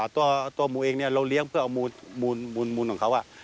ตัวหมูเองเราเลี้ยงเพื่อเอามูลของเขา